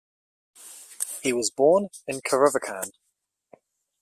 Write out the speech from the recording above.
He was born in Kirovakan.